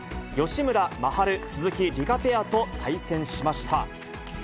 吉村真晴・鈴木李茄ペアと対戦しました。